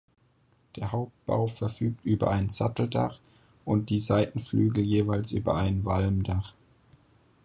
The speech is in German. Der Hauptbau verfügt über ein Satteldach und die Seitenflügel jeweils über ein Walmdach.